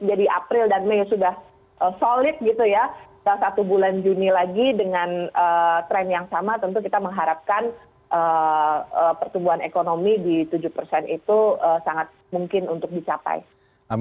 jadi april dan may sudah solid gitu ya